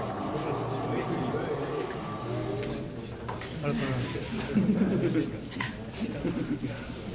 ありがとうございます。